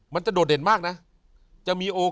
มันจะโดดเด่นมากนะ